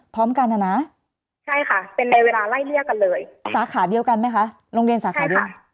พร้อมกันนะนะใช่ค่ะเป็นในเวลาไล่เลี่ยกันเลยสาขาเดียวกันไหมคะโรงเรียนสาขาค่ะ